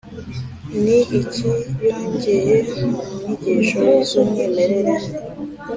ni iki yongeye mu nyigisho z’umwimerere